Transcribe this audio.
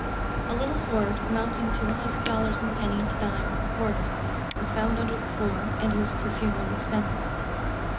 "A little hoard, amounting to a hundred dollars in pennies, dimes, and quarters, was found under the floor, and used for funeral expenses.